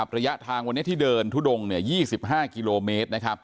ระยะทางวันนี้ที่เดินทุดง๒๕กิโลเมตร